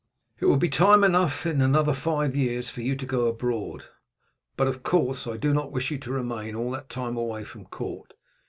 "It will be time enough in another five years for you to go abroad; but, of course, I do not wish you to remain all that time away from court.